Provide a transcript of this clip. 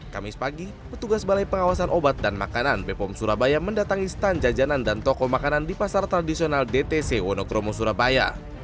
kamis pagi petugas balai pengawasan obat dan makanan bepom surabaya mendatangi stand jajanan dan toko makanan di pasar tradisional dtc wonokromo surabaya